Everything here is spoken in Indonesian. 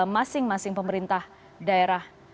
masing masing pemerintah daerah